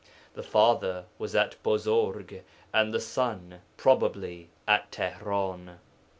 The father was at Buzurg, and the son, probably, at Tihran.